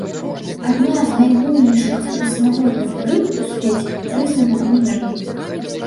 Адна з найбуйнейшых прэснаводных рыб у свеце, прызнана вымерлай.